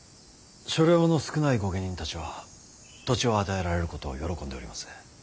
所領の少ない御家人たちは土地を与えられることを喜んでおります。